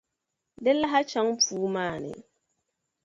Di lahi chaŋ puu maa ni